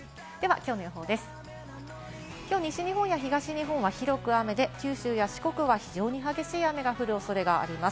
きょう西日本や東日本は広く雨で、九州や四国は非常に激しい雨が降るおそれがあります。